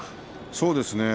そうですね。